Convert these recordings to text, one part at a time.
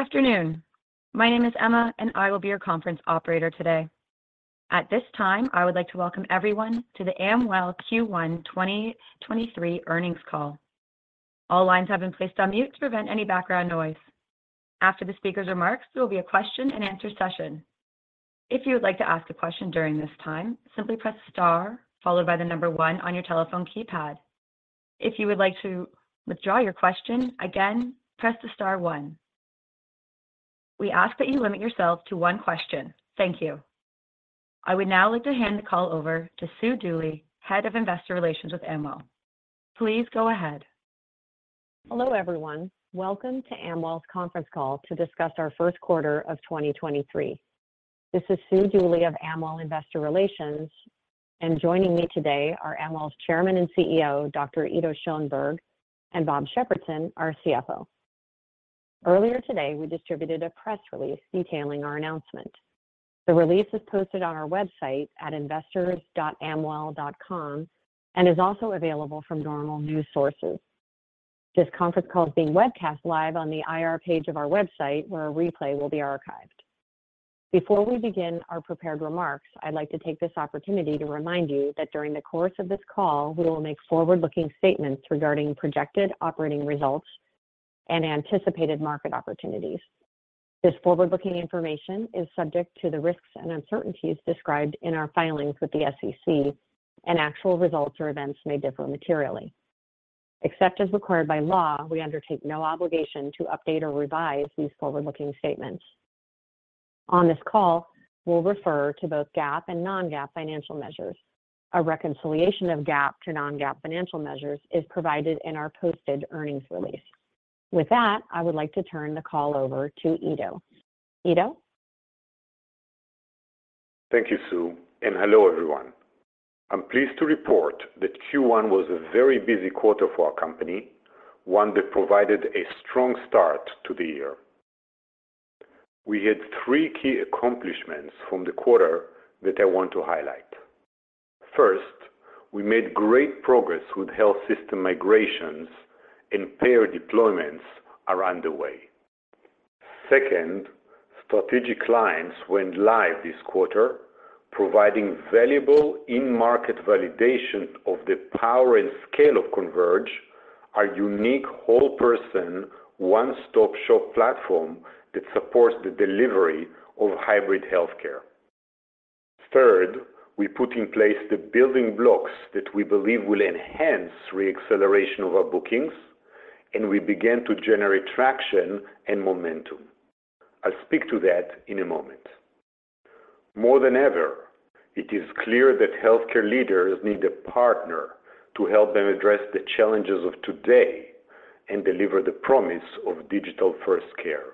Good afternoon. My name is Emma, and I will be your conference operator today. At this time, I would like to welcome everyone to the Amwell Q1 2023 Earnings Call. All lines have been placed on mute to prevent any background noise. After the speaker's remarks, there will be a question-and-answer session. If you would like to ask a question during this time, simply press star followed by the one on your telephone keypad. If you would like to withdraw your question, again, press the star one. We ask that you limit yourself to one question. Thank you. I would now like to hand the call over to Sue Dooley, Head of Investor Relations with Amwell. Please go ahead. Hello, everyone. Welcome to Amwell's conference call to discuss our first quarter of 2023. This is Sue Dooley of Amwell Investor Relations, and joining me today are Amwell's Chairman and CEO, Dr. Ido Schoenberg, and Bob Shepardson, our CFO. Earlier today, we distributed a press release detailing our announcement. The release is posted on our website at investors.amwell.com and is also available from normal news sources. This conference call is being webcast live on the IR page of our website, where a replay will be archived. Before we begin our prepared remarks, I'd like to take this opportunity to remind you that during the course of this call, we will make forward-looking statements regarding projected operating results and anticipated market opportunities. This forward-looking information is subject to the risks and uncertainties described in our filings with the SEC, and actual results or events may differ materially. Except as required by law, we undertake no obligation to update or revise these forward-looking statements. On this call, we'll refer to both GAAP and non-GAAP financial measures. A reconciliation of GAAP to non-GAAP financial measures is provided in our posted earnings release. With that, I would like to turn the call over to Ido. Ido? Thank you, Sue. Hello, everyone. I'm pleased to report that Q1 was a very busy quarter for our company, one that provided a strong start to the year. We had three key accomplishments from the quarter that I want to highlight. First, we made great progress with health system migrations. Payer deployments are underway. Second, strategic clients went live this quarter, providing valuable in-market validation of the power and scale of Converge, our unique whole-person, one stop shop platform that supports the delivery of hybrid healthcare. Third, we put in place the building blocks that we believe will enhance re-acceleration of our bookings. We began to generate traction and momentum. I'll speak to that in a moment. More than ever, it is clear that healthcare leaders need a partner to help them address the challenges of today and deliver the promise of digital-first care.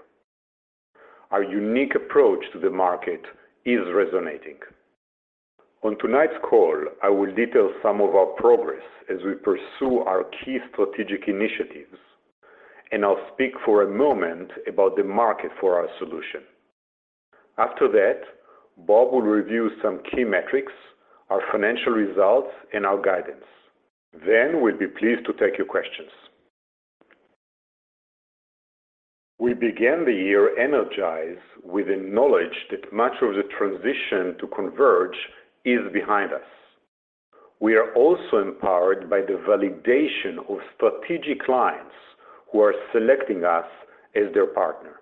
Our unique approach to the market is resonating. On tonight's call, I will detail some of our progress as we pursue our key strategic initiatives, I'll speak for a moment about the market for our solution. After that, Bob will review some key metrics, our financial results, and our guidance. We'll be pleased to take your questions. We began the year energized with the knowledge that much of the transition to Converge is behind us. We are also empowered by the validation of strategic clients who are selecting us as their partner.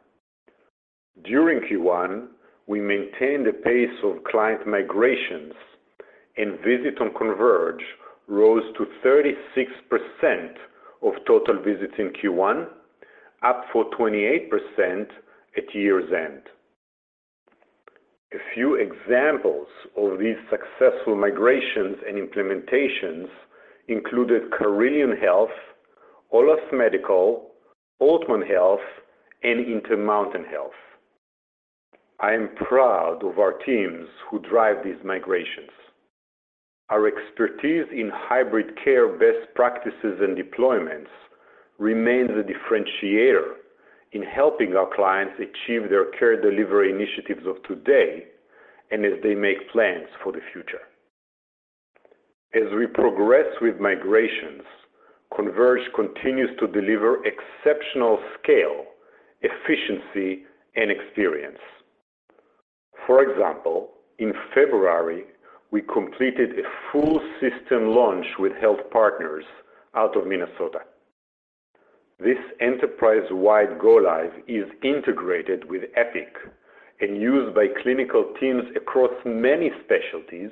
During Q1, we maintained a pace of client migrations, visits on Converge rose to 36% of total visits in Q1, up from 28% at year's end. A few examples of these successful migrations and implementations included Carilion Clinic, Olas Medical, Aultman Health, and Intermountain Health. I am proud of our teams who drive these migrations. Our expertise in hybrid care best practices and deployments remains a differentiator in helping our clients achieve their care delivery initiatives of today and as they make plans for the future. As we progress with migrations, Converge continues to deliver exceptional scale, efficiency, and experience. For example, in February, we completed a full system launch with HealthPartners out of Minnesota. This enterprise-wide go-live is integrated with Epic and used by clinical teams across many specialties.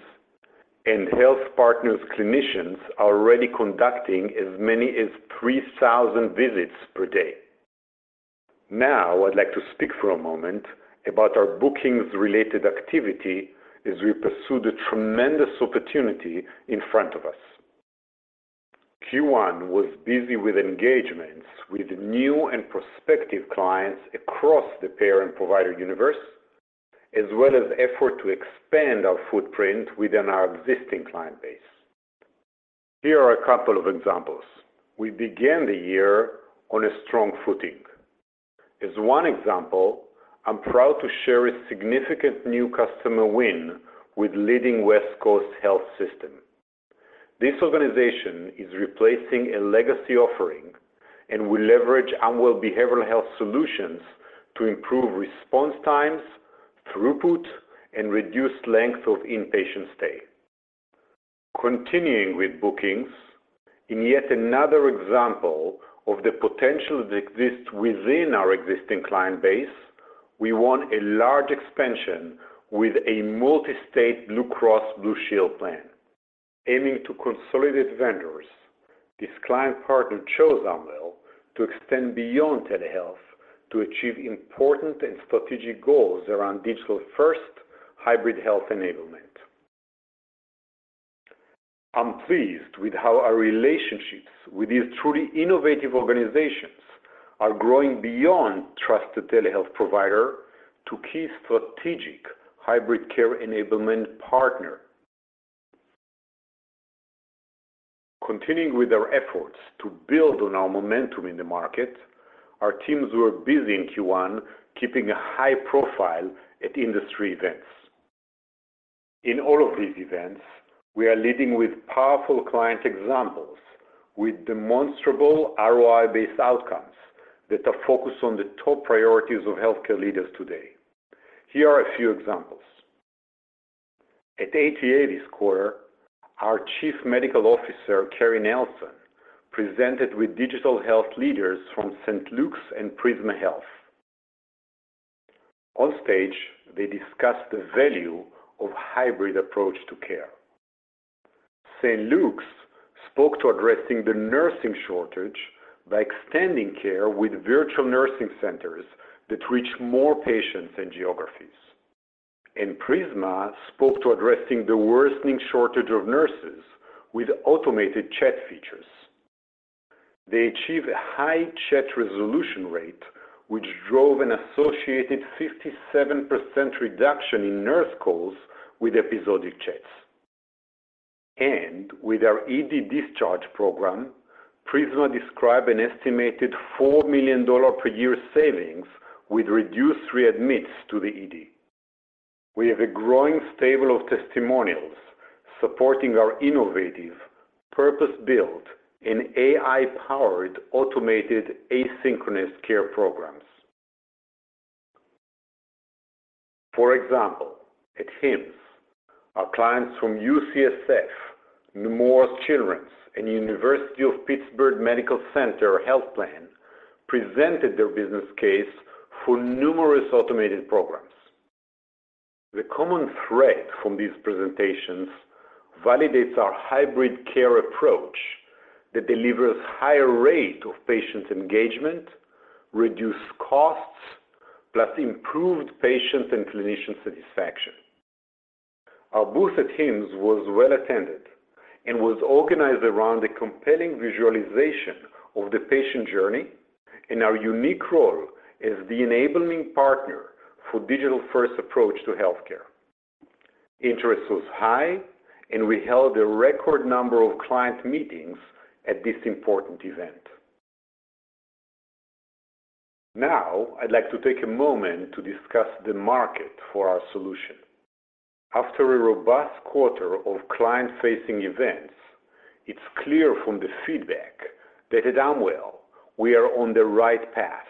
HealthPartners clinicians are already conducting as many as 3,000 visits per day. Now, I'd like to speak for a moment about our bookings-related activity as we pursue the tremendous opportunity in front of us. Q1 was busy with engagements with new and prospective clients across the payer and provider universe, as well as effort to expand our footprint within our existing client base. Here are a couple of examples. We began the year on a strong footing. As one example, I'm proud to share a significant new customer win with leading West Coast health system. This organization is replacing a legacy offering and will leverage Amwell behavioral health solutions to improve response times, throughput, and reduce length of inpatient stay. Continuing with bookings, in yet another example of the potential that exists within our existing client base, we won a large expansion with a multi-state Blue Cross Blue Shield plan. Aiming to consolidate vendors, this client partner chose Amwell to extend beyond telehealth to achieve important and strategic goals around digital first hybrid health enablement. I'm pleased with how our relationships with these truly innovative organizations are growing beyond trusted telehealth provider to key strategic hybrid care enablement partner. Continuing with our efforts to build on our momentum in the market, our teams were busy in Q1 keeping a high profile at industry events. In all of these events, we are leading with powerful client examples with demonstrable ROI-based outcomes that are focused on the top priorities of healthcare leaders today. Here are a few examples. At ATA this quarter, our Chief Medical Officer, Carrie Nelson, presented with digital health leaders from St. Luke's and Prisma Health. On stage, they discussed the value of hybrid approach to care. St. Luke's spoke to addressing the nursing shortage by extending care with virtual nursing centers that reach more patients and geographies. Prisma spoke to addressing the worsening shortage of nurses with automated chat features. They achieved a high chat resolution rate, which drove an associated 57% reduction in nurse calls with episodic chats. With our ED discharge program, Prisma described an estimated $4 million per year savings with reduced readmits to the ED. We have a growing stable of testimonials supporting our innovative, purpose-built, and AI-powered automated asynchronous care programs. For example, at HIMSS, our clients from UCSF, Nemours Children's, and University of Pittsburgh Medical Center Health Plan presented their business case for numerous automated programs. The common thread from these presentations validates our hybrid care approach that delivers higher rate of patient engagement, reduced costs, plus improved patient and clinician satisfaction. Our booth at HIMSS was well-attended and was organized around a compelling visualization of the patient journey and our unique role as the enabling partner for digital first approach to healthcare. Interest was high. We held a record number of client meetings at this important event. I'd like to take a moment to discuss the market for our solution. After a robust quarter of client-facing events, it's clear from the feedback that at Amwell, we are on the right path,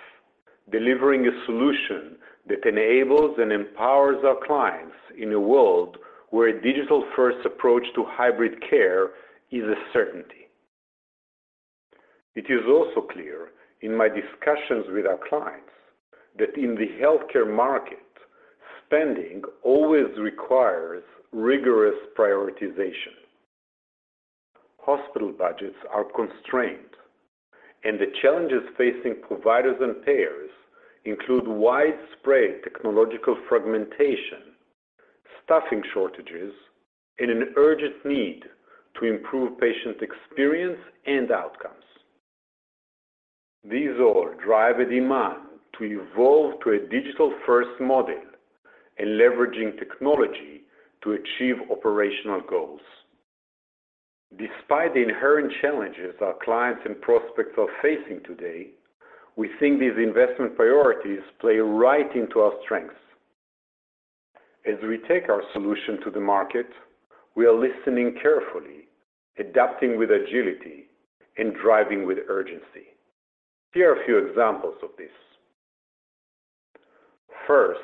delivering a solution that enables and empowers our clients in a world where a digital first approach to hybrid care is a certainty. It is also clear in my discussions with our clients that in the healthcare market, spending always requires rigorous prioritization. Hospital budgets are constrained. The challenges facing providers and payers include widespread technological fragmentation, staffing shortages, and an urgent need to improve patient experience and outcomes. These all drive a demand to evolve to a digital first model and leveraging technology to achieve operational goals. Despite the inherent challenges our clients and prospects are facing today, we think these investment priorities play right into our strengths. As we take our solution to the market, we are listening carefully, adapting with agility, and driving with urgency. Here are a few examples of this. First,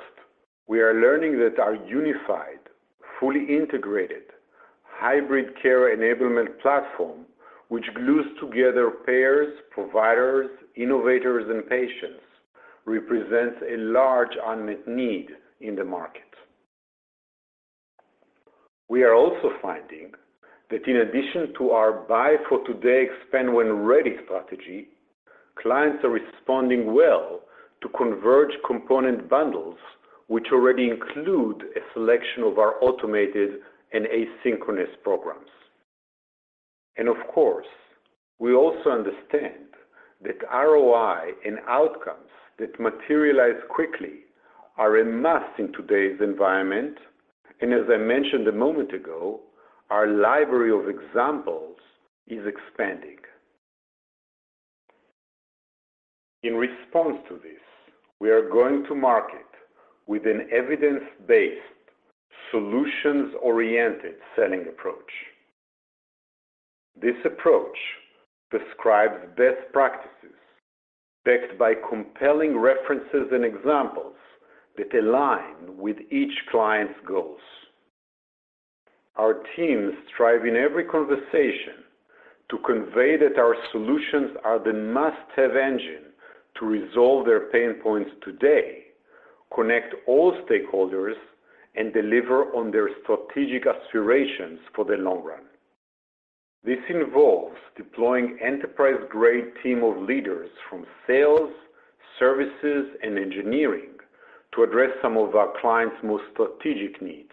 we are learning that our unified, fully integrated, hybrid care enablement platform, which glues together payers, providers, innovators, and patients, represents a large unmet need in the market. We are also finding that in addition to our buy for today, expand when ready strategy, clients are responding well to Converge component bundles, which already include a selection of our automated and asynchronous programs. Of course, we also understand that ROI and outcomes that materialize quickly are a must in today's environment, and as I mentioned a moment ago, our library of examples is expanding. In response to this, we are going to market with an evidence-based, solutions-oriented selling approach. This approach prescribes best practices backed by compelling references and examples that align with each client's goals. Our teams strive in every conversation to convey that our solutions are the must-have engine to resolve their pain points today, connect all stakeholders, and deliver on their strategic aspirations for the long run. This involves deploying enterprise-grade team of leaders from sales, services, and engineering to address some of our clients' most strategic needs.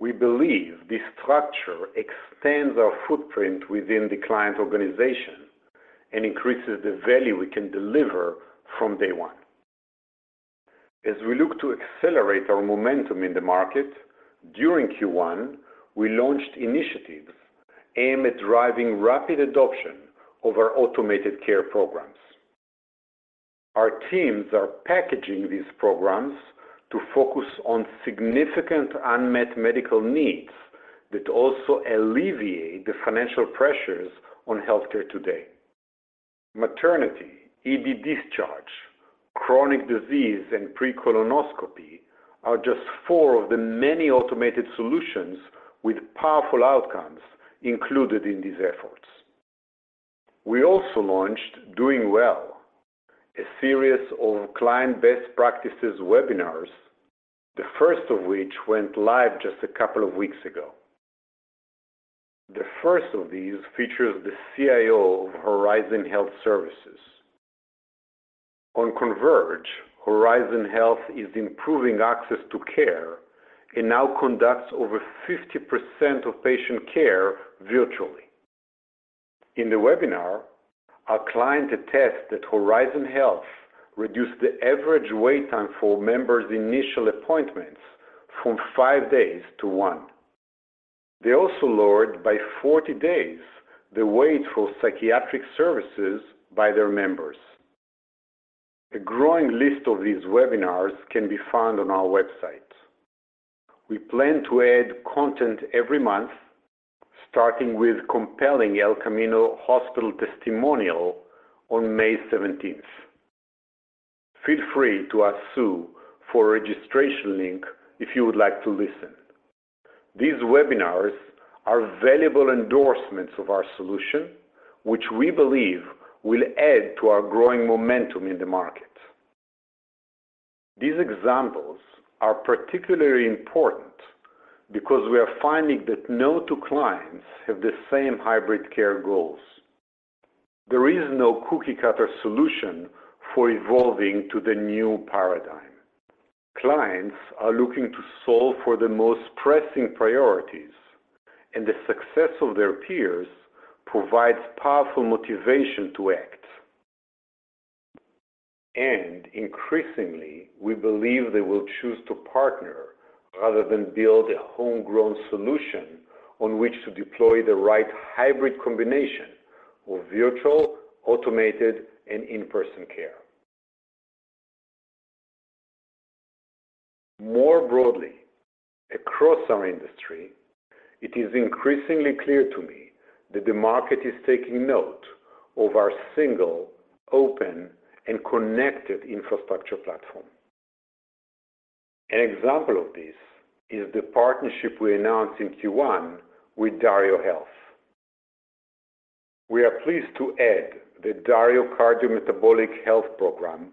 We believe this structure extends our footprint within the client organization and increases the value we can deliver from day one. As we look to accelerate our momentum in the market, during Q1, we launched initiatives aimed at driving rapid adoption of our automated care programs. Our teams are packaging these programs to focus on significant unmet medical needs that also alleviate the financial pressures on healthcare today. Maternity, ED discharge, chronic disease, and pre-colonoscopy are just four of the many automated solutions with powerful outcomes included in these efforts. We also launched Doing Well, a series of client best practices webinars, the first of which went live just a couple of weeks ago. The first of these features the CIO of Horizon Health Services. On Converge, Horizon Health is improving access to care and now conducts over 50% of patient care virtually. In the webinar, our client attests that Horizon Health reduced the average wait time for members' initial appointments from five days to one. They also lowered by 40 days the wait for psychiatric services by their members. A growing list of these webinars can be found on our website. We plan to add content every month, starting with compelling El Camino Health testimonial on May 17th. Feel free to ask Sue for a registration link if you would like to listen. These webinars are valuable endorsements of our solution, which we believe will add to our growing momentum in the market. These examples are particularly important because we are finding that no two clients have the same hybrid care goals. There is no cookie-cutter solution for evolving to the new paradigm. Clients are looking to solve for the most pressing priorities, and the success of their peers provides powerful motivation to act. Increasingly, we believe they will choose to partner rather than build a homegrown solution on which to deploy the right hybrid combination of virtual, automated, and in-person care. More broadly, across our industry, it is increasingly clear to me that the market is taking note of our single, open, and connected infrastructure platform. Example of this is the partnership we announced in Q1 with DarioHealth. We are pleased to add the Dario Cardiometabolic Program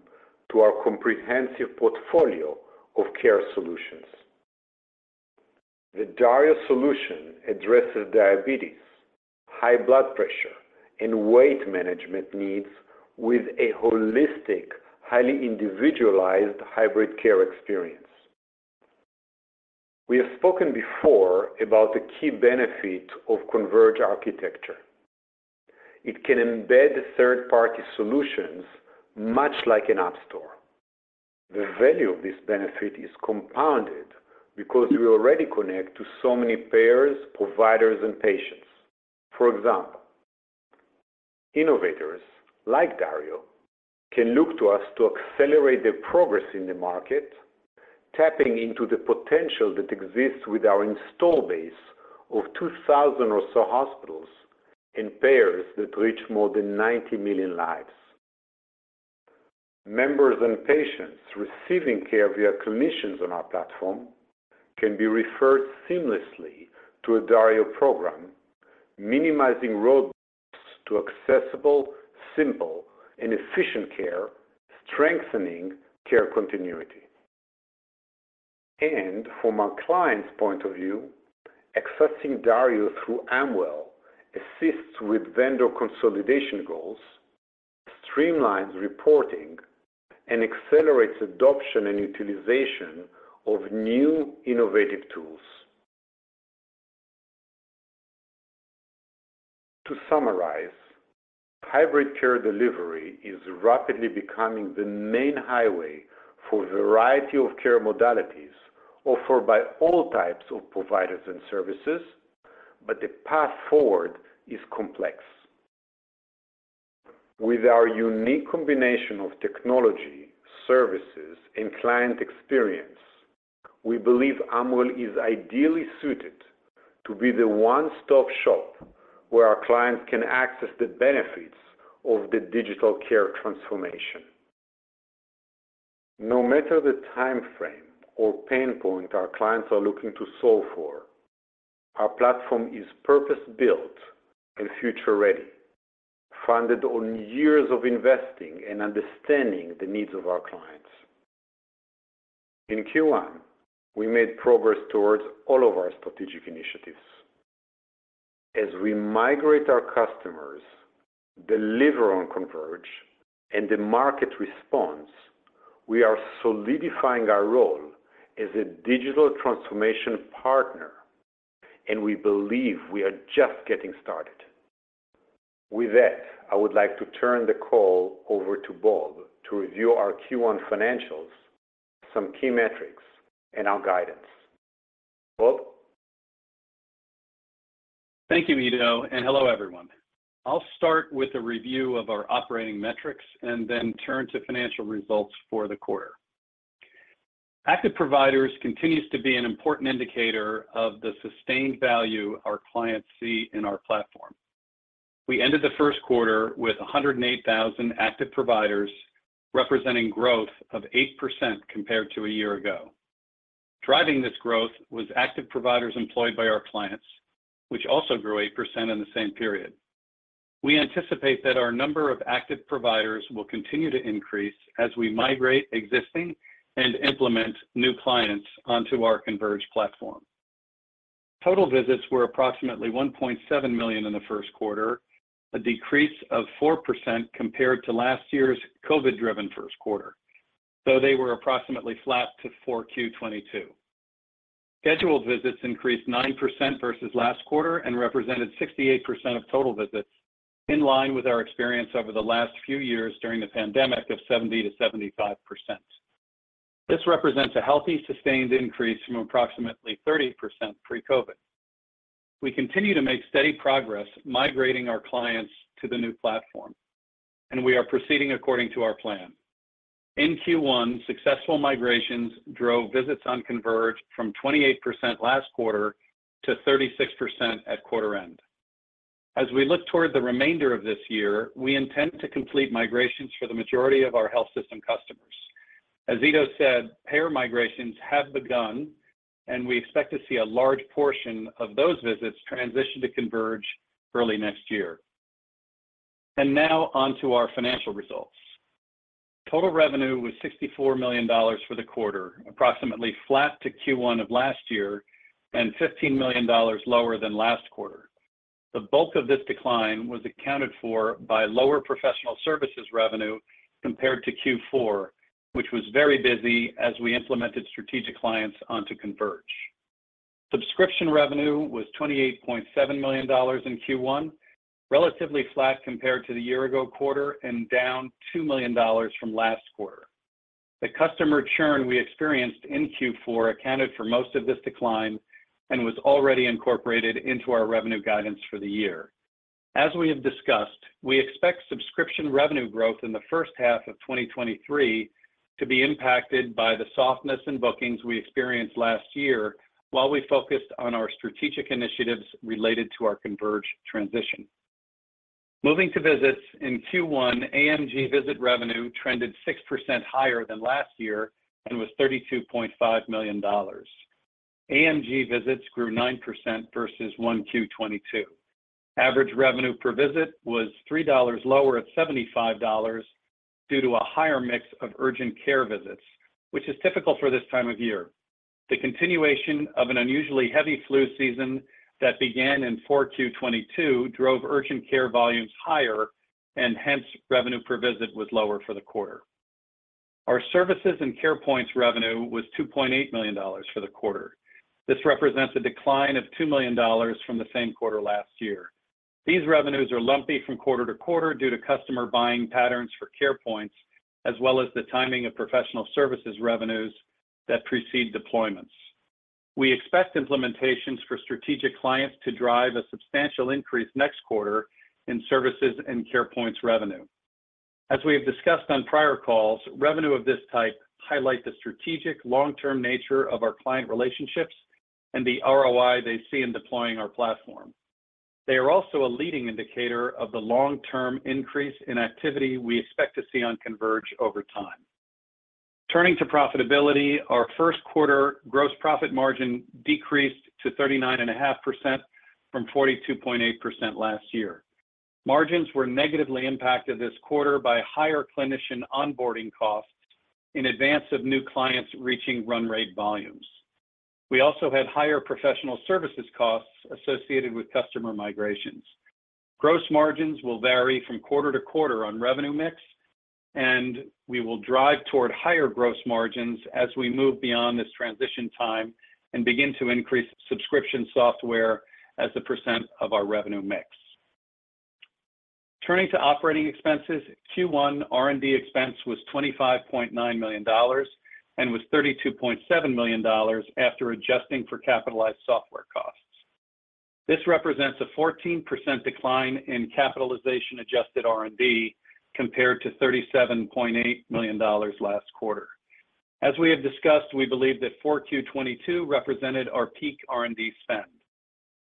to our comprehensive portfolio of care solutions. The Dario solution addresses diabetes, high blood pressure, and weight management needs with a holistic, highly individualized hybrid care experience. We have spoken before about the key benefit of Converge architecture. Value of this benefit is compounded because we already connect to so many payers, providers, and patients. For example, innovators like Dario can look to us to accelerate their progress in the market, tapping into the potential that exists with our install base of 2,000 or so hospitals and payers that reach more than 90 million lives. Members and patients receiving care via clinicians on our platform can be referred seamlessly to a Dario program, minimizing roadblocks to accessible, simple, and efficient care, strengthening care continuity. From a client's point of view, accessing Dario through Amwell assists with vendor consolidation goals, streamlines reporting, and accelerates adoption and utilization of new innovative tools. To summarize, hybrid care delivery is rapidly becoming the main highway for a variety of care modalities offered by all types of providers and services. The path forward is complex. With our unique combination of technology, services, and client experience, we believe Amwell is ideally suited to be the one-stop shop where our clients can access the benefits of the digital care transformation. No matter the time frame or pain point our clients are looking to solve for, our platform is purpose-built and future-ready, founded on years of investing and understanding the needs of our clients. In Q1, we made progress towards all of our strategic initiatives. As we migrate our customers, deliver on Converge, and the market responds, we are solidifying our role as a digital transformation partner, and we believe we are just getting started. With that, I would like to turn the call over to Bob to review our Q1 financials, some key metrics, and our guidance. Bob? Thank you, Ido. Hello, everyone. I'll start with a review of our operating metrics and then turn to financial results for the quarter. Active providers continues to be an important indicator of the sustained value our clients see in our platform. We ended the first quarter with 108,000 active providers, representing growth of 8% compared to a year ago. Driving this growth was active providers employed by our clients, which also grew 8% in the same period. We anticipate that our number of active providers will continue to increase as we migrate existing and implement new clients onto our Converge platform. Total visits were approximately 1.7 million in the first quarter, a decrease of 4% compared to last year's COVID-driven first quarter. They were approximately flat to 4Q '22. Scheduled visits increased 9% versus last quarter and represented 68% of total visits, in line with our experience over the last few years during the pandemic of 70%-75%. This represents a healthy, sustained increase from approximately 30% pre-COVID. We continue to make steady progress migrating our clients to the new platform. We are proceeding according to our plan. In Q1, successful migrations drove visits on Converge from 28% last quarter to 36% at quarter end. As we look toward the remainder of this year, we intend to complete migrations for the majority of our health system customers. As Ido said, payer migrations have begun. We expect to see a large portion of those visits transition to Converge early next year. Now on to our financial results. Total revenue was $64 million for the quarter, approximately flat to Q1 of last year and $15 million lower than last quarter. The bulk of this decline was accounted for by lower professional services revenue compared to Q4, which was very busy as we implemented strategic clients onto Converge. Subscription revenue was $28.7 million in Q1, relatively flat compared to the year-ago quarter and down $2 million from last quarter. The customer churn we experienced in Q4 accounted for most of this decline and was already incorporated into our revenue guidance for the year. As we have discussed, we expect subscription revenue growth in the first half of 2023 to be impacted by the softness in bookings we experienced last year while we focused on our strategic initiatives related to our Converge transition. Moving to visits, in Q1, AMG visit revenue trended 6% higher than last year and was $32.5 million. AMG visits grew 9% versus 1Q 22. Average revenue per visit was $3 lower at $75 due to a higher mix of urgent care visits, which is typical for this time of year. The continuation of an unusually heavy flu season that began in 4Q 22 drove urgent care volumes higher, hence, revenue per visit was lower for the quarter. Our services and Carepoints revenue was $2.8 million for the quarter. This represents a decline of $2 million from the same quarter last year. These revenues are lumpy from quarter to quarter due to customer buying patterns for Carepoints, as well as the timing of professional services revenues that precede deployments. We expect implementations for strategic clients to drive a substantial increase next quarter in services and Carepoints revenue. As we have discussed on prior calls, revenue of this type highlight the strategic long-term nature of our client relationships and the ROI they see in deploying our platform. They are also a leading indicator of the long-term increase in activity we expect to see on Converge over time. Turning to profitability, our first quarter gross profit margin decreased to 39.5% from 42.8% last year. Margins were negatively impacted this quarter by higher clinician onboarding costs in advance of new clients reaching run rate volumes. We also had higher professional services costs associated with customer migrations. Gross margins will vary from quarter to quarter on revenue mix. We will drive toward higher gross margins as we move beyond this transition time and begin to increase subscription software as a percent of our revenue mix. Turning to operating expenses, Q1 R&D expense was $25.9 million, and was $32.7 million after adjusting for capitalized software costs. This represents a 14% decline in capitalization adjusted R&D compared to $37.8 million last quarter. As we have discussed, we believe that 4Q22 represented our peak R&D spend.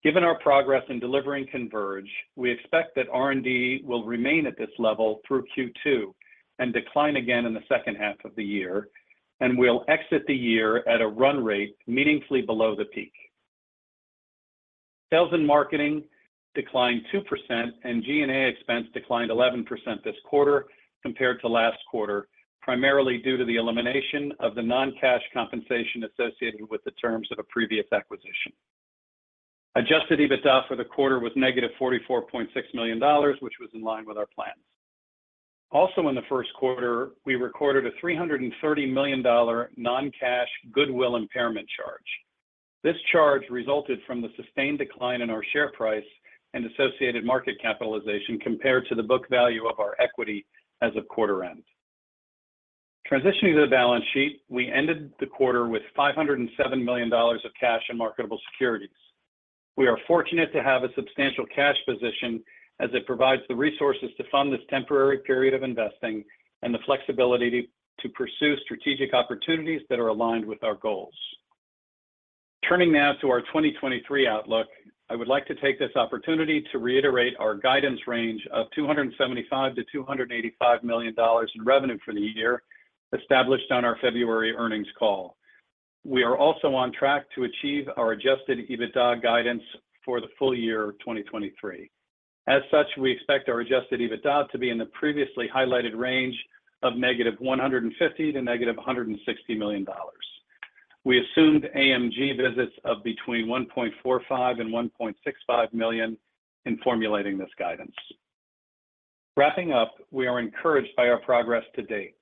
Given our progress in delivering Converge, we expect that R&D will remain at this level through Q2 and decline again in the second half of the year. We'll exit the year at a run rate meaningfully below the peak. Sales and marketing declined 2%. G&A expense declined 11% this quarter compared to last quarter, primarily due to the elimination of the non cash compensation associated with the terms of a previous acquisition. Adjusted EBITDA for the quarter was -$44.6 million, which was in line with our plans. In the first quarter, we recorded a $330 million non cash goodwill impairment charge. This charge resulted from the sustained decline in our share price and associated market capitalization compared to the book value of our equity as of quarter end. Transitioning to the balance sheet, we ended the quarter with $507 million of cash and marketable securities. We are fortunate to have a substantial cash position as it provides the resources to fund this temporary period of investing and the flexibility to pursue strategic opportunities that are aligned with our goals. Turning now to our 2023 outlook, I would like to take this opportunity to reiterate our guidance range of $275 million to $285 million in revenue for the year established on our February earnings call. We are also on track to achieve our adjusted EBITDA guidance for the full year of 2023. As such, we expect our adjusted EBITDA to be in the previously highlighted range of negative $150 million to negative $160 million. We assumed AMG visits of between 1.45 million and 1.65 million in formulating this guidance. Wrapping up, we are encouraged by our progress to date.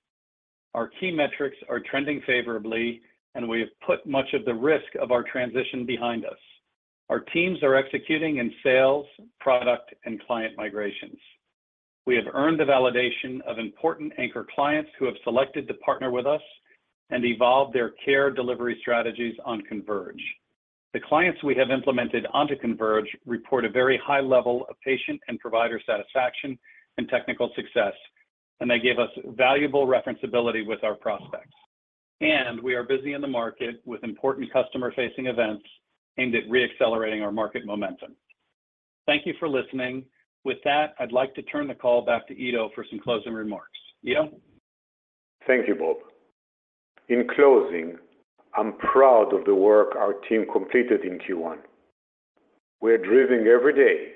Our key metrics are trending favorably, and we have put much of the risk of our transition behind us. Our teams are executing in sales, product, and client migrations. We have earned the validation of important anchor clients who have selected to partner with us and evolve their care delivery strategies on Converge. The clients we have implemented onto Converge report a very high level of patient and provider satisfaction and technical success, and they gave us valuable referenceability with our prospects. We are busy in the market with important customer-facing events aimed at re-accelerating our market momentum. Thank you for listening. With that, I'd like to turn the call back to Ido for some closing remarks. Ido? Thank you, Bob. In closing, I'm proud of the work our team completed in Q1. We're driven every day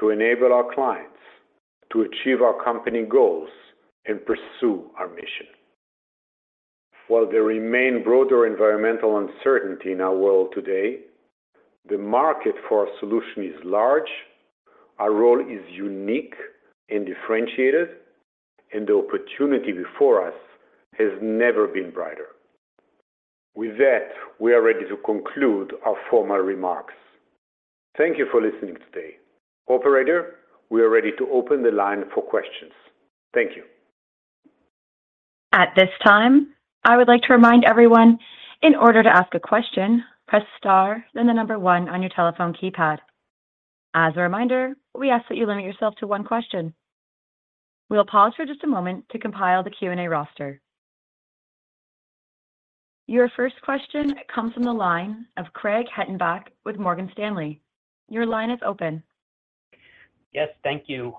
to enable our clients to achieve our company goals and pursue our mission. While there remain broader environmental uncertainty in our world today, the market for our solution is large, our role is unique and differentiated, and the opportunity before us has never been brighter. With that, we are ready to conclude our formal remarks. Thank you for listening today. Operator, we are ready to open the line for questions. Thank you. At this time, I would like to remind everyone, in order to ask a question, press star, then the one on your telephone keypad. As a reminder, we ask that you limit yourself to one question. We'll pause for just a moment to compile the Q&A roster. Your first question comes from the line of Craig Hettenbach with Morgan Stanley. Your line is open. Yes, thank you.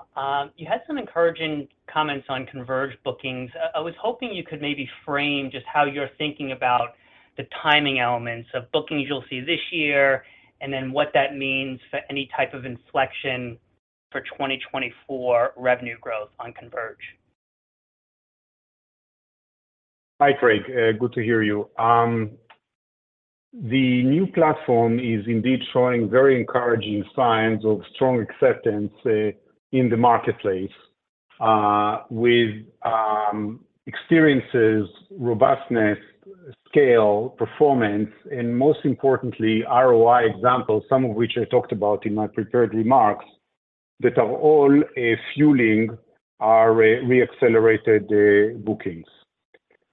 You had some encouraging comments on Converge bookings. I was hoping you could maybe frame just how you're thinking about the timing elements of bookings you'll see this year, and then what that means for any type of inflection for 2024 revenue growth on Converge. Hi, Craig. Good to hear you. The new platform is indeed showing very encouraging signs of strong acceptance in the marketplace with experiences, robustness, scale, performance, and most importantly, ROI examples, some of which I talked about in my prepared remarks, that are all fueling our re-accelerated bookings.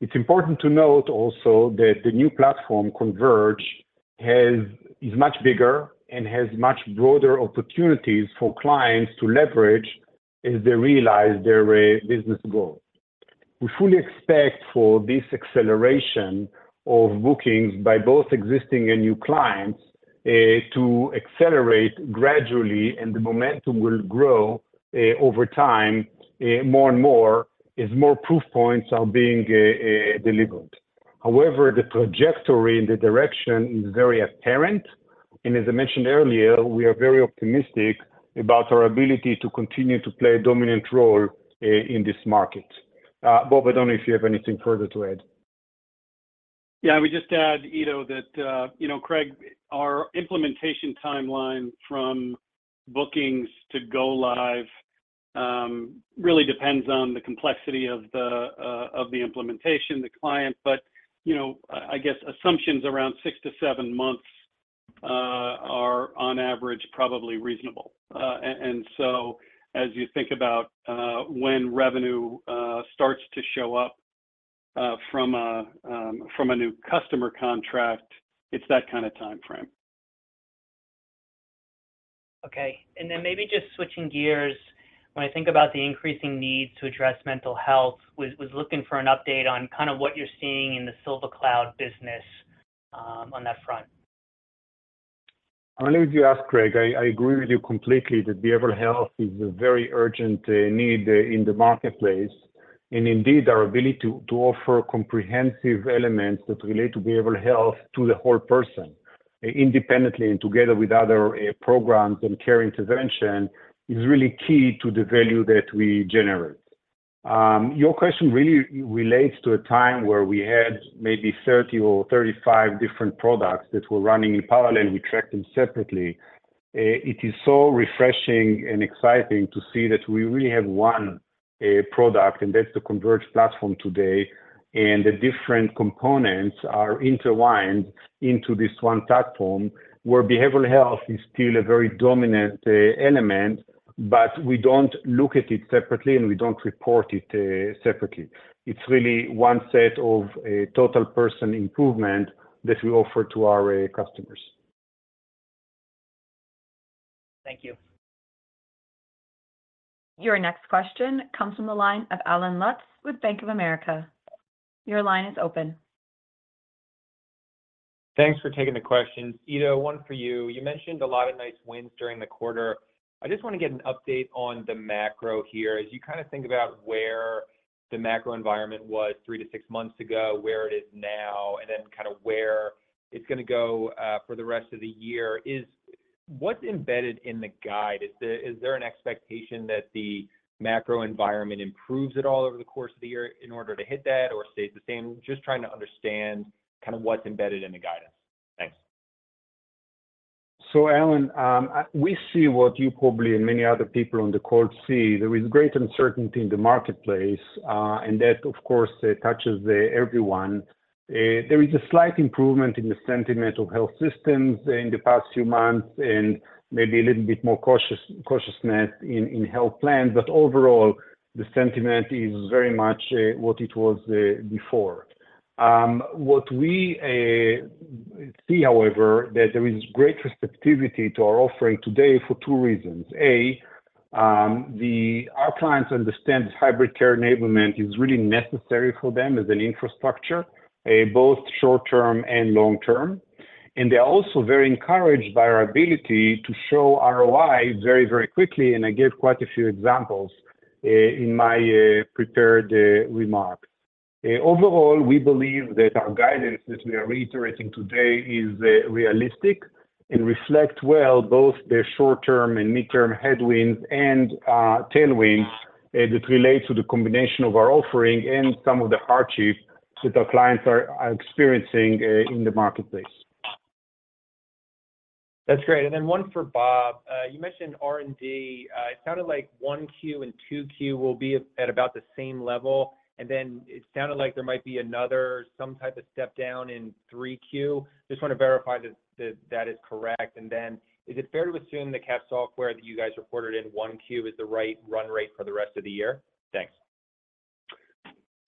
It's important to note also that the new platform, Converge, is much bigger and has much broader opportunities for clients to leverage as they realize their business goals. We fully expect for this acceleration of bookings by both existing and new clients to accelerate gradually and the momentum will grow over time more and more as more proof points are being delivered. The trajectory and the direction is very apparent. As I mentioned earlier, we are very optimistic about our ability to continue to play a dominant role in this market. Bob, I don't know if you have anything further to add? Yeah. I would just add, Ido, that, you know, Craig, our implementation timeline from bookings to go live, really depends on the complexity of the, of the implementation, the client. You know, I guess assumption's around six to seven months are on average probably reasonable. As you think about, when revenue, starts to show up, from a new customer contract, it's that kind of time frame. Okay. Maybe just switching gears, when I think about the increasing needs to address mental health, was looking for an update on kind of what you're seeing in the SilverCloud business, on that front. I'll leave you ask Craig. I agree with you completely that behavioral health is a very urgent need in the marketplace, and indeed our ability to offer comprehensive elements that relate to behavioral health to the whole person, independently and together with other programs and care intervention is really key to the value that we generate. Your question really relates to a time where we had maybe 30 or 35 different products that were running in parallel, we tracked them separately. It is so refreshing and exciting to see that we really have one product, and that's the Converged platform today. The different components are intertwined into this one platform where behavioral health is still a very dominant element, but we don't look at it separately, and we don't report it separately. It's really one set of a total person improvement that we offer to our customers. Thank you. Your next question comes from the line of Allen Lutz with Bank of America. Your line is open. Thanks for taking the questions. Ido, one for you. You mentioned a lot of nice wins during the quarter. I just wanna get an update on the macro here. As you kinda think about where the macro environment was three to six months ago, where it is now, and then kinda where it's gonna go for the rest of the year, what's embedded in the guide? Is there an expectation that the macro environment improves at all over the course of the year in order to hit that or stays the same? Just trying to understand kind of what's embedded in the guidance. Thanks. Allen, we see what you probably and many other people on the call see, there is great uncertainty in the marketplace, and that of course touches everyone. There is a slight improvement in the sentiment of health systems in the past few months and maybe a little bit more cautiousness in health plans. Overall, the sentiment is very much what it was before. What we see, however, that there is great receptivity to our offering today for two reasons. A, our clients understand this hybrid care enablement is really necessary for them as an infrastructure, both short-term and long-term. They're also very encouraged by our ability to show ROI very, very quickly, and I gave quite a few examples in my prepared remarks. Overall, we believe that our guidance that we are reiterating today is realistic and reflect well both the short-term and midterm headwinds and tailwinds that relate to the combination of our offering and some of the hardships that our clients are experiencing in the marketplace. That's great. One for Bob. You mentioned R&D. It sounded like 1Q and 2Q will be at about the same level, and then it sounded like there might be another some type of step down in 3 Q. Just wanna verify that that is correct. Is it fair to assume the caps software that you guys reported in 1Q is the right run rate for the rest of the year? Thanks.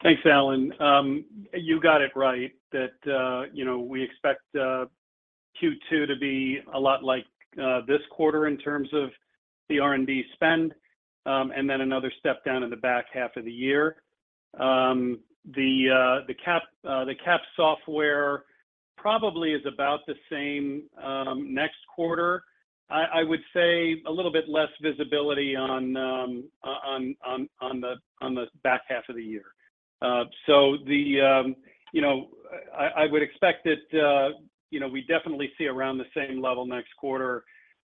Thanks, Allen. You got it right that, you know, we expect Q2 to be a lot like this quarter in terms of the R&D spend, and then another step down in the back half of the year. The cap software probably is about the same next quarter. I would say a little bit less visibility on the back half of the year. The, you know, I would expect that, you know, we definitely see around the same level next quarter.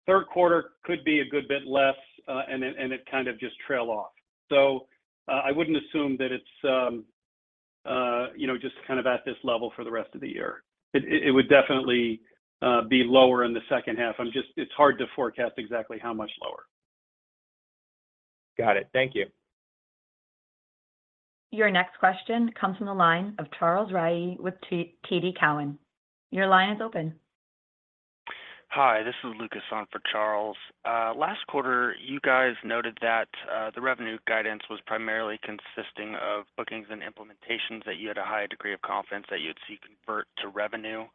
Third quarter could be a good bit less, and then it kind of just trail off. I wouldn't assume that it's, you know, just kind of at this level for the rest of the year. It would definitely be lower in the second half. It's hard to forecast exactly how much lower. Got it. Thank you. Your next question comes from the line of Charles Rhyee with TD Cowen. Your line is open. Hi, this is Lucas on for Charles. last quarter, you guys noted that, the revenue guidance was primarily consisting of bookings and implementations that you had a high degree of confidence that you'd see convert to revenue.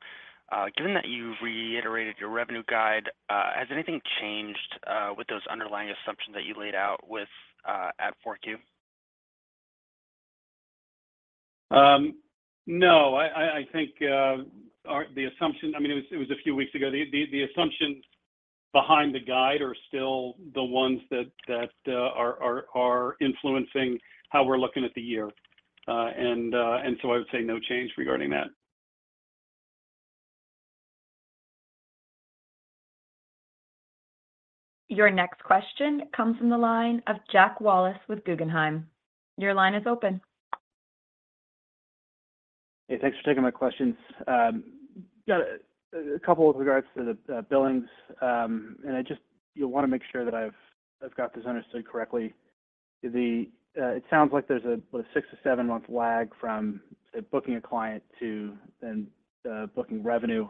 given that you reiterated your revenue guide, has anything changed, with those underlying assumptions that you laid out with, at 4Q? No, I think, the assumption, I mean, it was a few weeks ago. The assumptions behind the guide are still the ones that are influencing how we're looking at the year. I would say no change regarding that. Your next question comes from the line of Jack Wallace with Guggenheim. Your line is open. Hey, thanks for taking my questions. Got a couple with regards to the billings. I just you'll wanna make sure that I've got this understood correctly. It sounds like there's a six to seven month lag from say, booking a client to then booking revenue.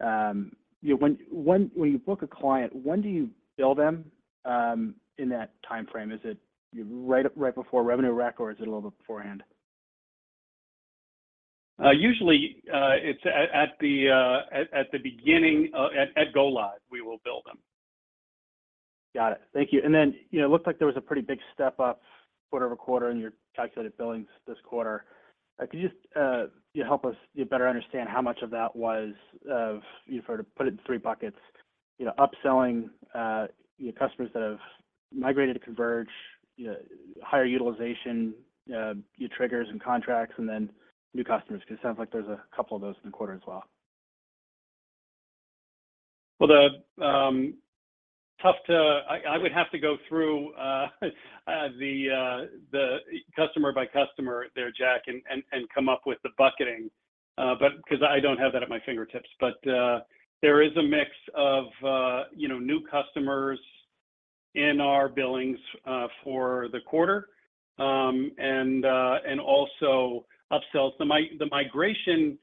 You know, when you book a client, when do you bill them in that timeframe? Is it right before revenue rec or is it a little beforehand? Usually, it's at the beginning, at go-live, we will bill them. Got it. Thank you. You know, it looked like there was a pretty big step up quarter-over-quarter in your calculated billings this quarter. Could you just, you know, help us, you know, better understand how much of that was of, you know, sort of put it in three buckets, you know, upselling, you know, customers that have migrated to Converge, you know, higher utilization, your triggers and contracts, and then new customers, because it sounds like there's a couple of those in the quarter as well? I would have to go through the customer by customer there, Jack, and come up with the bucketing. Because I don't have that at my fingertips. There is a mix of, you know, new customers in our billings for the quarter, and also upsells. The migration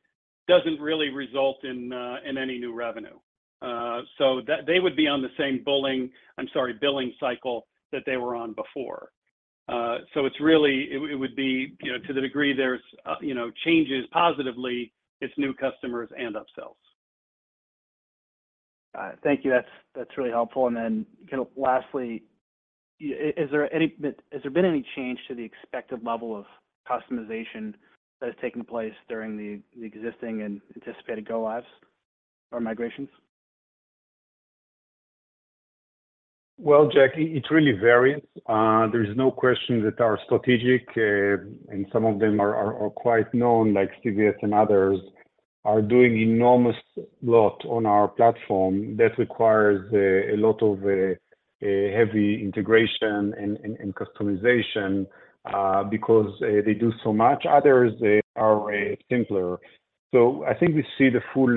doesn't really result in any new revenue. They would be on the same billing, I'm sorry, billing cycle that they were on before. It's really, it would be, you know, to the degree there's, you know, changes positively, it's new customers and upsells. All right. Thank you. That's really helpful. Kind of lastly, has there been any change to the expected level of customization that has taken place during the existing and anticipated go lives or migrations? Well, Jack, it really varies. There is no question that our strategic, and some of them are quite known like CVS and others, are doing enormous lot on our platform that requires a lot of heavy integration and customization, because they do so much. Others are simpler. I think we see the full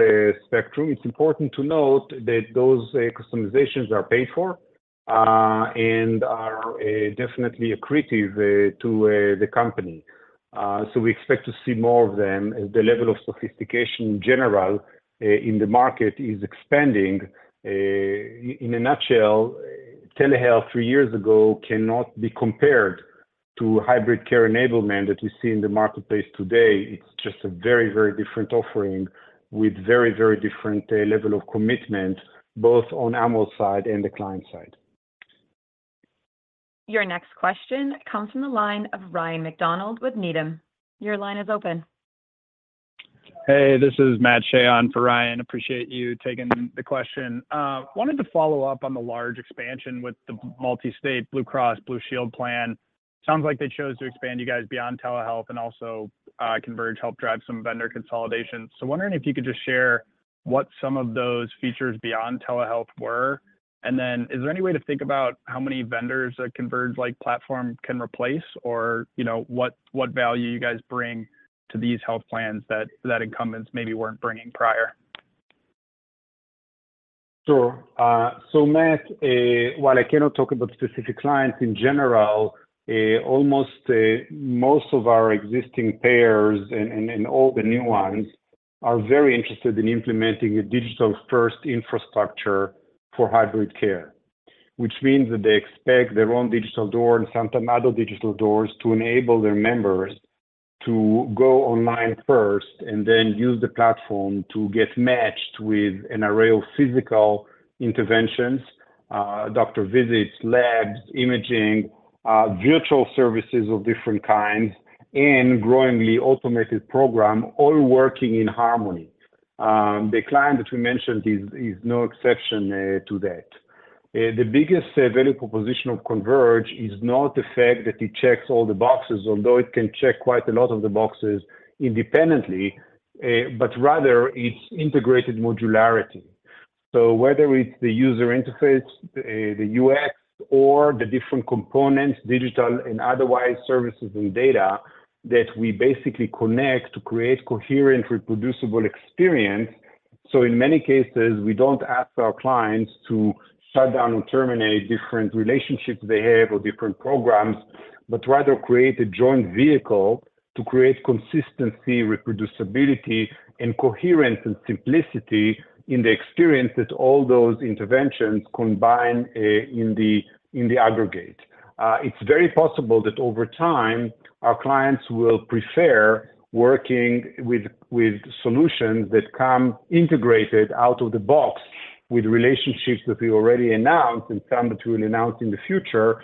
spectrum. It's important to note that those customizations are paid for, and are definitely accretive to the company. We expect to see more of them as the level of sophistication in general in the market is expanding. In a nutshell, telehealth three years ago cannot be compared to hybrid care enablement that we see in the marketplace today. It's just a very, very different offering with very, very different level of commitment, both on Amwell's side and the client side. Your next question comes from the line of Ryan MacDonald with Needham. Your line is open. Hey, this is Matthew Shea on for Ryan. Appreciate you taking the question. Wanted to follow up on the large expansion with the multi-state Blue Cross Blue Shield plan. Sounds like they chose to expand you guys beyond telehealth and also, Converge helped drive some vendor consolidation. Wondering if you could just share what some of those features beyond telehealth were, and then is there any way to think about how many vendors a Converge like platform can replace or, you know, what value you guys bring to these health plans that incumbents maybe weren't bringing prior? Sure. Matt, while I cannot talk about specific clients, in general, almost, most of our existing payers and all the new ones are very interested in implementing a digital-first infrastructure for hybrid care, which means that they expect their own digital door and sometimes other digital doors to enable their members to go online first and then use the platform to get matched with an array of physical interventions, doctor visits, labs, imaging, virtual services of different kinds, and growingly automated program all working in harmony. The client that we mentioned is no exception, to that. The biggest, value proposition of Converge is not the fact that it checks all the boxes, although it can check quite a lot of the boxes independently, rather its integrated modularity. Whether it's the user interface, the UX or the different components, digital and otherwise, services and data that we basically connect to create coherent reproducible experience. In many cases, we don't ask our clients to shut down and terminate different relationships they have or different programs, but rather create a joint vehicle to create consistency, reproducibility, and coherence and simplicity in the experience that all those interventions combine in the, in the aggregate. It's very possible that over time our clients will prefer working with solutions that come integrated out of the box with relationships that we already announced and some that we'll announce in the future,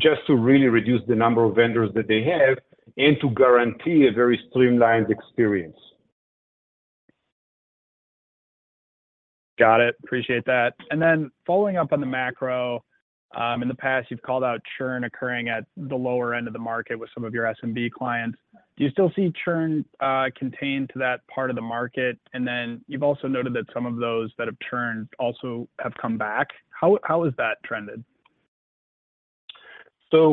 just to really reduce the number of vendors that they have and to guarantee a very streamlined experience. Got it. Appreciate that. Following up on the macro, in the past, you've called out churn occurring at the lower end of the market with some of your SMB clients. Do you still see churn contained to that part of the market? You've also noted that some of those that have churned also have come back. How has that trended?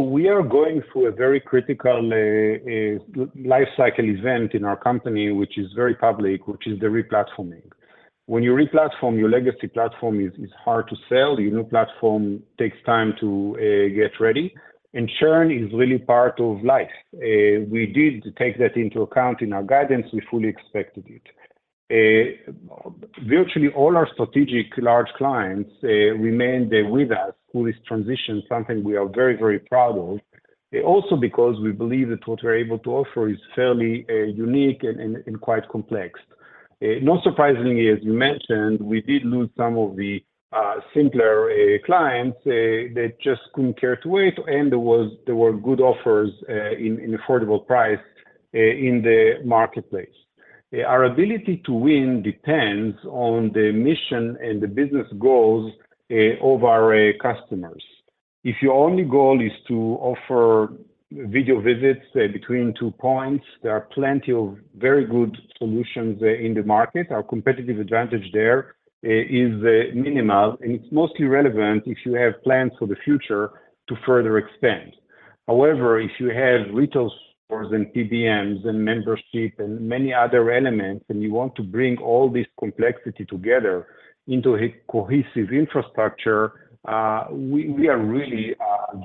We are going through a very critical lifecycle event in our company, which is very public, which is the replatforming. When you replatform, your legacy platform is hard to sell. Your new platform takes time to get ready. Churn is really part of life. We did take that into account in our guidance. We fully expected it. Virtually all our strategic large clients remained there with us through this transition, something we are very proud of. Also because we believe that what we're able to offer is fairly unique and quite complex. Not surprisingly, as you mentioned, we did lose some of the simpler clients. They just couldn't care to wait, and there were good offers in affordable price in the marketplace. Our ability to win depends on the mission and the business goals, of our customers. If your only goal is to offer video visits, between two points, there are plenty of very good solutions, in the market. Our competitive advantage there, is minimal, and it's mostly relevant if you have plans for the future to further expand. However, if you have retail stores and PBMs and membership and many other elements, and you want to bring all this complexity together into a cohesive infrastructure, we are really,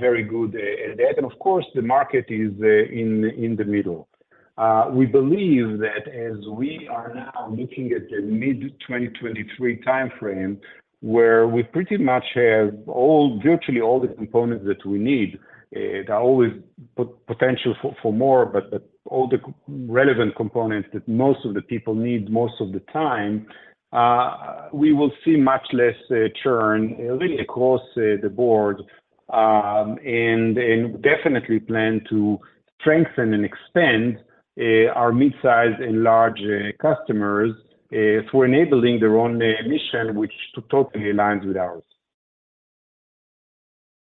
very good at that. Of course, the market is in the middle. We believe that as we are now looking at the mid 2023 timeframe, where we pretty much have all virtually all the components that we need, there are always potential for more, but all the relevant components that most of the people need most of the time, we will see much less churn really across the board. Definitely plan to strengthen and expand our midsize and large customers through enabling their own mission, which totally aligns with ours.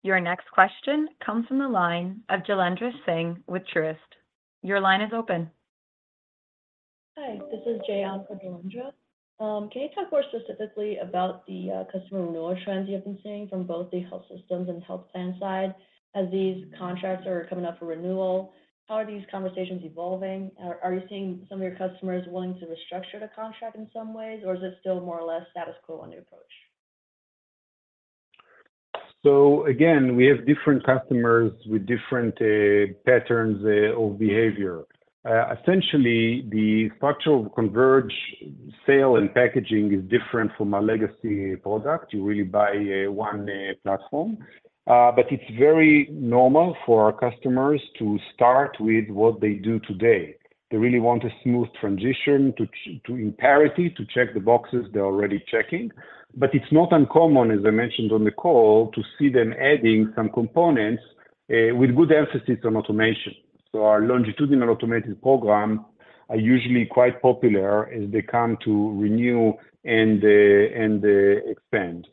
Your next question comes from the line of Jailendra Singh with Truist. Your line is open. Hi, this is Jayant for Jailendra. Can you talk more specifically about the customer renewal trends you have been seeing from both the health systems and health plan side as these contracts are coming up for renewal? How are these conversations evolving? Are you seeing some of your customers willing to restructure the contract in some ways, or is it still more or less status quo on the approach? Again, we have different customers with different patterns of behavior. Essentially, the structure of Converge sale and packaging is different from a legacy product. You really buy one platform. But it's very normal for our customers to start with what they do today. They really want a smooth transition to imparity, to check the boxes they're already checking. But it's not uncommon, as I mentioned on the call, to see them adding some components with good emphasis on automation. Our longitudinal automated program are usually quite popular as they come to renew and expand.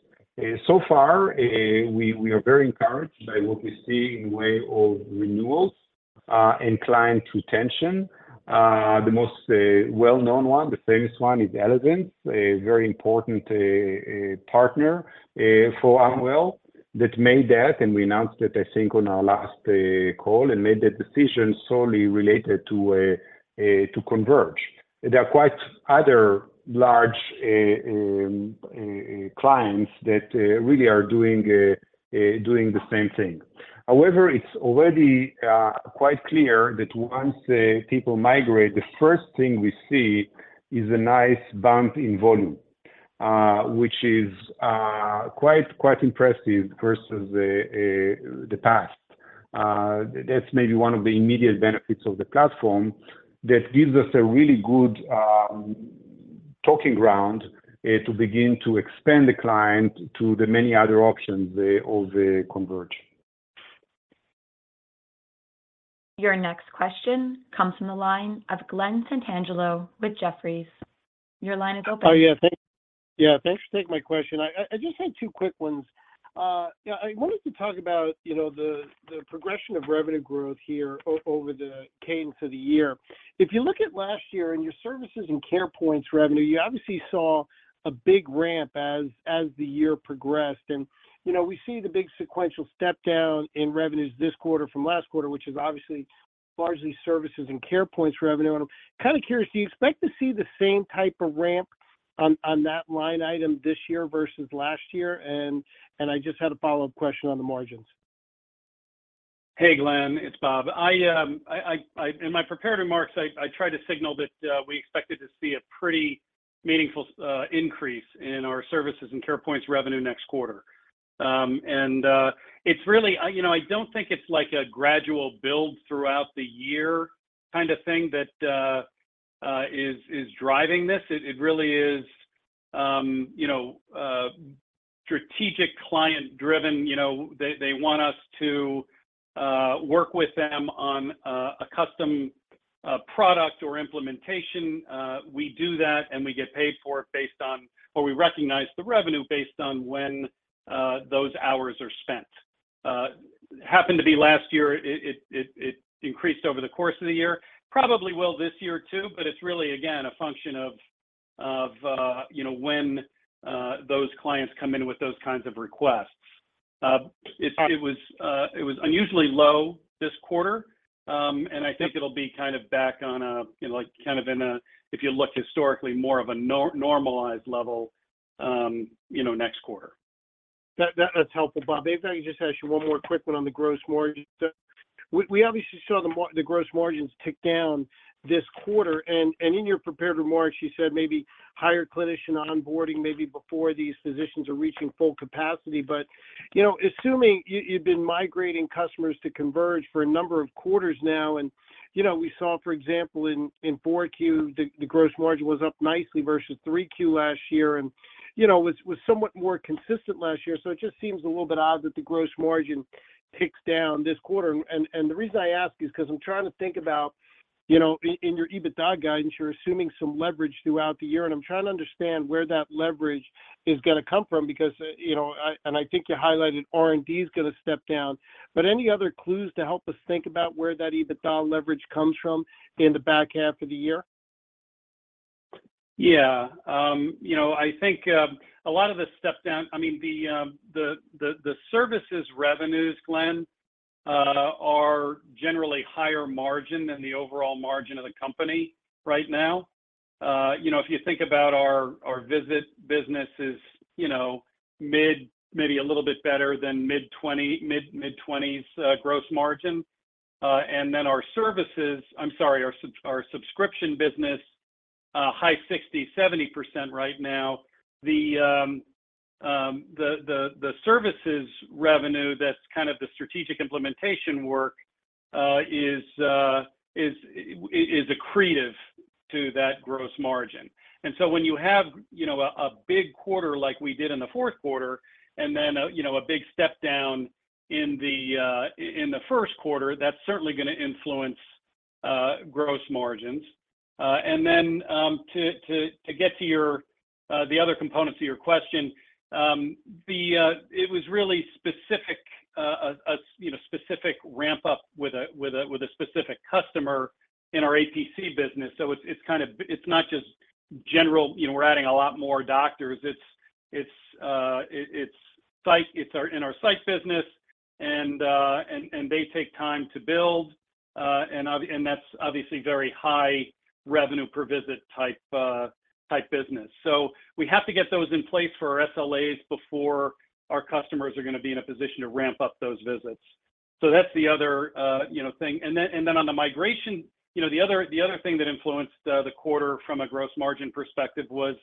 So far, we are very encouraged by what we see in way of renewals and client retention. The most well-known one, the famous one is Elevance Health, a very important partner for Amwell that made that, and we announced that, I think, on our last call, and made that decision solely related to Converge. There are quite other large clients that really are doing the same thing. It's already quite clear that once people migrate, the first thing we see is a nice bump in volume, which is quite impressive versus the past. That's maybe one of the immediate benefits of the platform that gives us a really good talking ground to begin to expand the client to the many other options of Converge. Your next question comes from the line of Glen Santangelo with Jefferies. Your line is open. Oh, yeah. Thanks for taking my question. I just had two quick ones. Yeah, I wanted to talk about, you know, the progression of revenue growth here over the cane to the year. If you look at last year and your services and Carepoints revenue, you obviously saw a big ramp as the year progressed. You know, we see the big sequential step down in revenues this quarter from last-quarter, which is obviously largely services and Carepoints revenue. I'm kinda curious, do you expect to see the same type of ramp on that line item this year versus last year? I just had a follow-up question on the margins. Hey, Glen, it's Bob. I in my prepared remarks, I tried to signal that we expected to see a pretty meaningful increase in our services and Carepoints revenue next quarter. It's really, you know, I don't think it's like a gradual build throughout the year kind of thing that is driving this. It really is, you know, strategic client driven. They want us to work with them on a custom product or implementation. We do that, and we get paid for it based on, or we recognize the revenue based on when those hours are spent. Happened to be last year, it increased over the course of the year. Probably will this year too. It's really, again, a function of, you know, when those clients come in with those kinds of requests. It was unusually low this quarter. I think it'll be kind of back on a, you know, like kind of if you look historically more of a normalized level, you know, next quarter. That's helpful, Bob. If I could just ask you one more quick one on the gross margin. We obviously saw the gross margins tick down this quarter. In your prepared remarks, you said maybe higher clinician onboarding maybe before these physicians are reaching full capacity. You know, assuming you've been migrating customers to Converge for a number of quarters now, and, you know, we saw, for example, in 4Q, the gross margin was up nicely versus 3Q last-year and, you know, was somewhat more consistent last year. It just seems a little bit odd that the gross margin ticks down this quarter. The reason I ask is 'cause I'm trying to think about, you know, in your EBITDA guidance, you're assuming some leverage throughout the year, and I'm trying to understand where that leverage is gonna come from because, you know, I think you highlighted R&D is gonna step down. Any other clues to help us think about where that EBITDA leverage comes from in the back half of the year? Yeah. You know, I think, a lot of the step down. I mean, the services revenues, Glen, are generally higher margin than the overall margin of the company right now. You know, if you think about our visit business is, you know, maybe a little bit better than mid-20s gross margin. Our subscription business, high 60%, 70% right now. The services revenue, that's kind of the strategic implementation work, is accretive to that gross margin. When you have, you know, a big quarter like we did in the fourth quarter and then a, you know, a big step down in the first quarter, that's certainly gonna influence gross margins. Then, to get to your, the other components of your question, the, it was really specific, you know, specific ramp up with a specific customer in our APC business. It's kind of it's not just general, you know, we're adding a lot more doctors. It's site in our site business and they take time to build, and that's obviously very high revenue per visit type business. We have to get those in place for our SLAs before our customers are gonna be in a position to ramp up those visits. That's the other, you know, thing. Then on the migration, you know, the other thing that influenced the quarter from a gross margin perspective was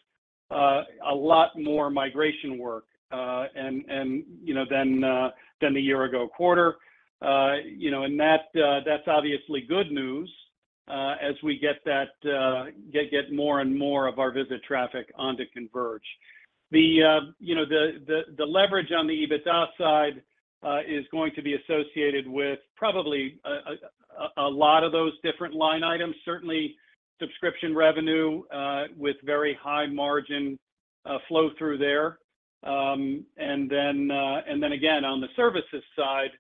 a lot more migration work, and, you know, than the year ago quarter. You know, that's obviously good news as we get that, get more and more of our visit traffic onto Converge. You know, the leverage on the EBITDA side is going to be associated with probably a lot of those different line items, certainly subscription revenue, with very high margin flow through there. Then again, on the services side,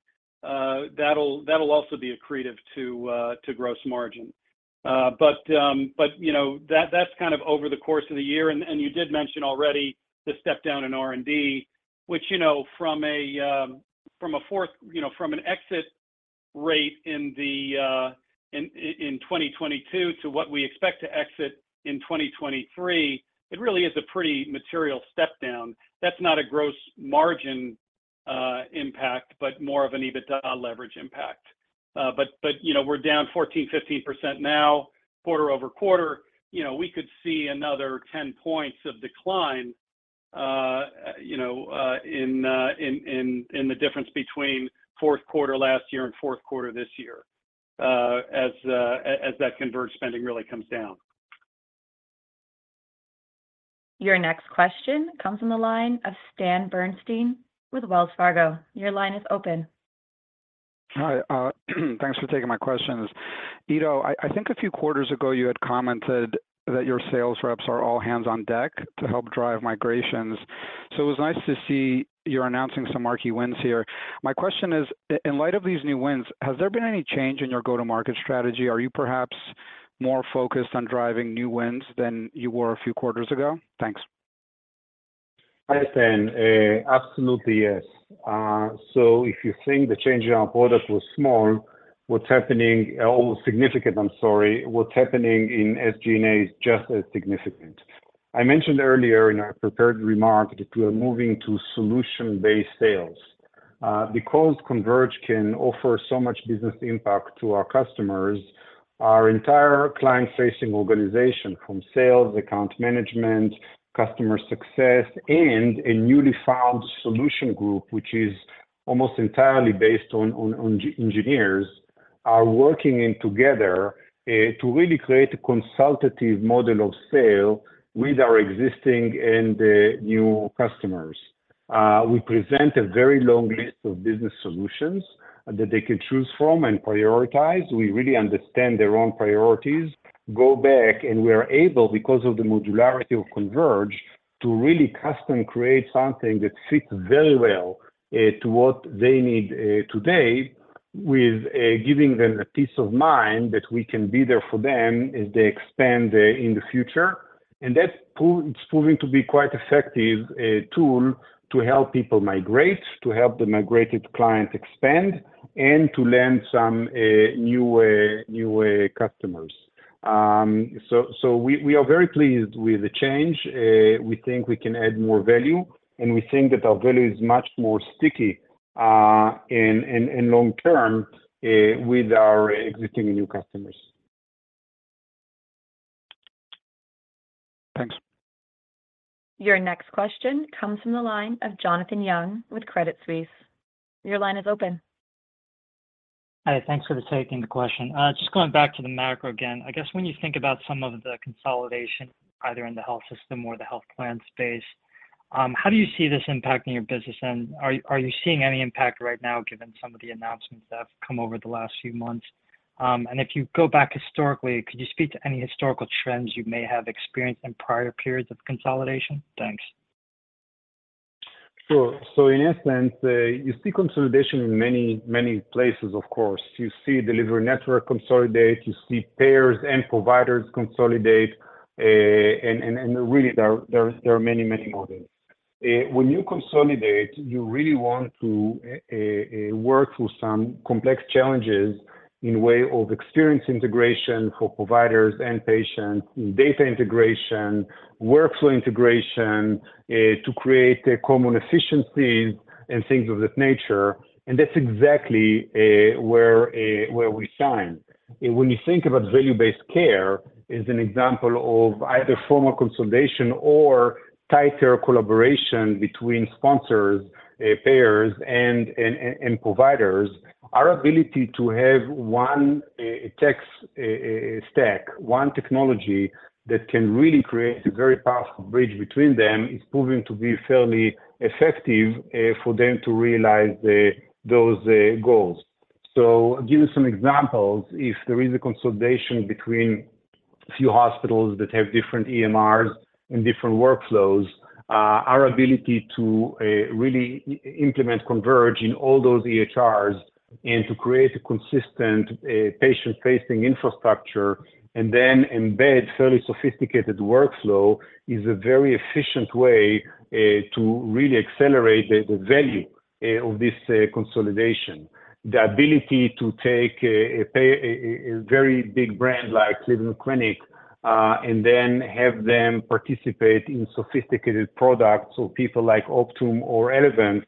that'll also be accretive to gross margin. You know, that's kind of over the course of the year. You did mention already the step down in R&D, which, you know, from an exit rate in 2022 to what we expect to exit in 2023, it really is a pretty material step down. That's not a gross margin impact, but more of an EBITDA leverage impact. But, you know, we're down 14%, 15% now, quarter-over-quarter. You know, we could see another 10 points of decline, you know, in the difference between fourth quarter last year and fourth quarter this year, as that Converge spending really comes down. Your next question comes from the line of Stan Berenshteyn with Wells Fargo. Your line is open. Hi. Thanks for taking my questions. Ido, I think a few quarters ago you had commented that your sales reps are all hands on deck to help drive migrations. It was nice to see you're announcing some marquee wins here. My question is, in light of these new wins, has there been any change in your go-to-market strategy? Are you perhaps more focused on driving new wins than you were a few quarters ago? Thanks. Hi, Stan. absolutely, yes. If you think the change in our product was small, what's happening in SG&A is just as significant. I mentioned earlier in our prepared remarks that we are moving to solution-based sales. Because Converge can offer so much business impact to our customers, our entire client-facing organization from sales, account management, customer success, and a newly filed solution group, which is almost entirely based on engineers, are working in together to really create a consultative model of sale with our existing and new customers. We present a very long list of business solutions that they can choose from and prioritize. We really understand their own priorities, go back, and we are able, because of the modularity of Converge, to really custom create something that fits very well, to what they need, today. With giving them a peace of mind that we can be there for them as they expand in the future, and that's it's proving to be quite effective a tool to help people migrate, to help the migrated client expand and to land some new customers. We are very pleased with the change. We think we can add more value, and we think that our value is much more sticky in long term with our existing new customers. Thanks. Your next question comes from the line of Jonathan Yong with Credit Suisse. Your line is open. Hi. Thanks for the taking the question. Just going back to the macro again. I guess when you think about some of the consolidation either in the health system or the health plan space, how do you see this impacting your business? Are you seeing any impact right now given some of the announcements that have come over the last few months? If you go back historically, could you speak to any historical trends you may have experienced in prior periods of consolidation? Thanks. Sure. In essence, you see consolidation in many, many places, of course. You see delivery network consolidate. You see payers and providers consolidate, and really there are many, many more things. When you consolidate, you really want to work through some complex challenges in way of experience integration for providers and patients, in data integration, workflow integration, to create common efficiencies and things of that nature, and that's exactly where we shine. When you think about value based care is an example of either formal consolidation or tighter collaboration between sponsors, payers and providers, our ability to have one tech stack, one technology that can really create a very powerful bridge between them is proving to be fairly effective for them to realize those goals. Give you some examples. If there is a consolidation between a few hospitals that have different EMRs and different workflows, our ability to really implement Converge in all those EHRs and to create a consistent patient-facing infrastructure and then embed fairly sophisticated workflow is a very efficient way to really accelerate the value of this consolidation. The ability to take a very big brand like Cleveland Clinic and then have them participate in sophisticated products, so people like Optum or Elevance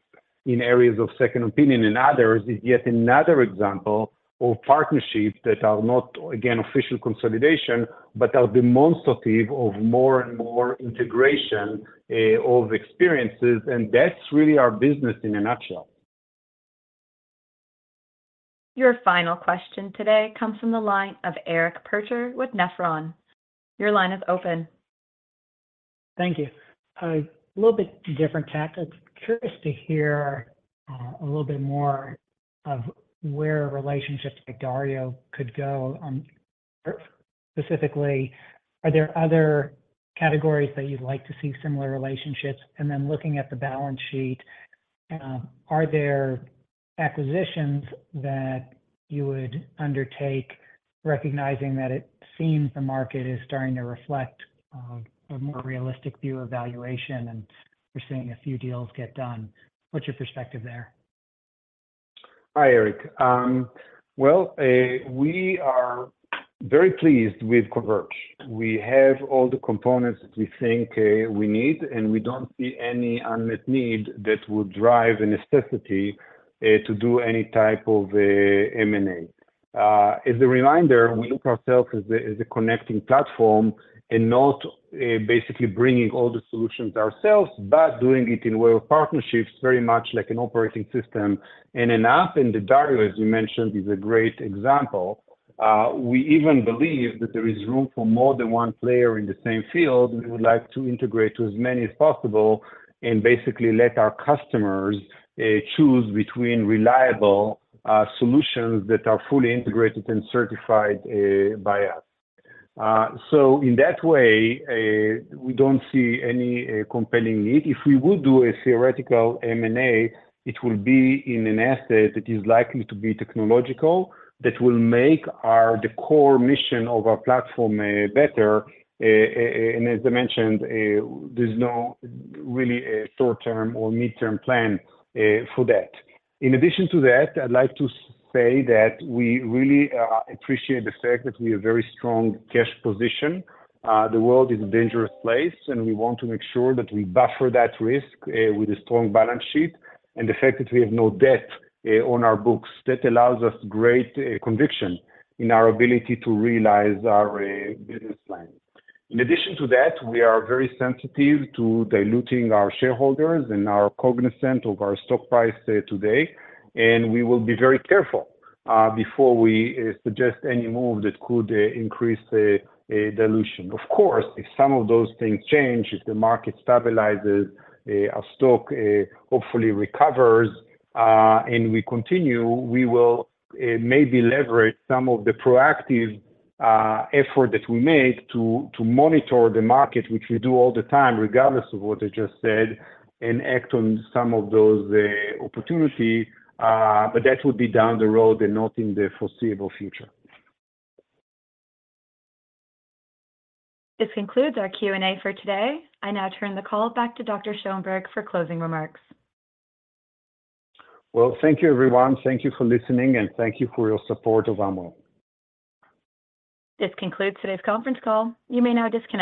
in areas of second opinion and others is yet another example of partnerships that are not, again, official consolidation, but are demonstrative of more and more integration of experiences, and that's really our business in a nutshell. Your final question today comes from the line of Eric Percher with Nephron. Your line is open. Thank you. A little bit different tactics. Curious to hear, a little bit more of where relationships like Dario could go on specifically, are there other categories that you'd like to see similar relationships? Looking at the balance sheet, are there acquisitions that you would undertake recognizing that it seems the market is starting to reflect, a more realistic view of valuation, we're seeing a few deals get done? What's your perspective there? Hi, Eric. Well, we are very pleased with Converge. We have all the components that we think we need, and we don't see any unmet need that would drive a necessity to do any type of M&A. As a reminder, we look ourselves as a connecting platform and not basically bringing all the solutions ourselves, but doing it in way of partnerships, very much like an operating system. An app in the Dario, as you mentioned, is a great example. We even believe that there is room for more than one player in the same field. We would like to integrate to as many as possible and basically let our customers choose between reliable solutions that are fully integrated and certified by us. In that way, we don't see any compelling need. If we would do a theoretical M&A, it will be in an asset that is likely to be technological that will make the core mission of our platform, better. As I mentioned, there's no really a short-term or midterm plan for that. In addition to that, I'd like to say that we really appreciate the fact that we have very strong cash position. The world is a dangerous place, and we want to make sure that we buffer that risk with a strong balance sheet. The fact that we have no debt on our books, that allows us great conviction in our ability to realize our business plan. In addition to that, we are very sensitive to diluting our shareholders and are cognizant of our stock price today, and we will be very careful before we suggest any move that could increase a dilution. Of course, if some of those things change, if the market stabilizes, our stock hopefully recovers, and we continue, we will maybe leverage some of the proactive effort that we make to monitor the market, which we do all the time, regardless of what I just said, and act on some of those opportunity. That would be down the road and not in the foreseeable future. This concludes our Q&A for today. I now turn the call back to Dr. Schoenberg for closing remarks. Well, thank you everyone. Thank you for listening, and thank you for your support of Amwell. This concludes today's conference call. You may now disconnect.